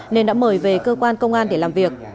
nên đã mời về cơ quan công an để làm việc